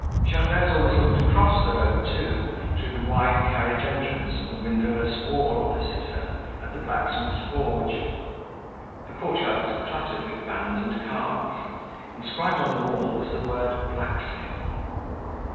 Gervaise always looked across the road, too, through the wide carriage entrance of the windowless wall opposite her, at the blacksmith's forge. The courtyard was cluttered with vans and carts. Inscribed on the wall was the word "Blacksmith."